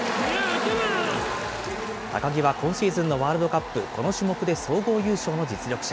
高木は今シーズンのワールドカップ、この種目で総合優勝の実力者。